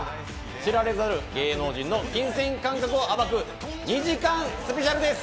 知られざる芸能人の金銭感覚を暴く２時間スペシャルです！